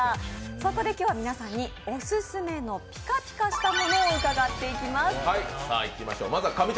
そこで今日は皆さんにオススメのピカピカしたものを伺っていきます。